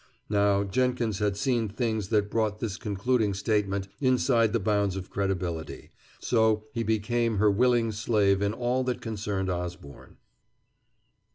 Now, Jenkins had seen things that brought this concluding statement inside the bounds of credibility, so he became her willing slave in all that concerned Osborne.